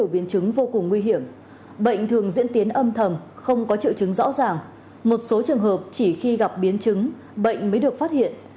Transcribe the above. bệnh thường diễn tiến âm thầm không có triệu chứng rõ ràng một số trường hợp chỉ khi gặp biến chứng bệnh mới được phát hiện